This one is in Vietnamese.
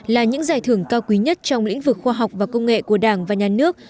là những giải thưởng cao quý nhất trong lĩnh vực khoa học và công nghệ của đảng và nhà nước